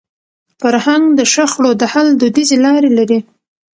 فرهنګ د شخړو د حل دودیزي لارې لري.